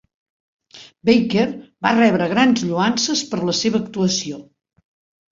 Baker va rebre grans lloances per la seva actuació.